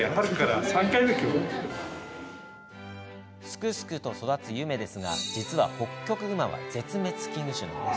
すくすくと育つゆめですが実はホッキョクグマは絶滅危惧種。